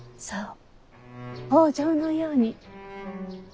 そう北条のように。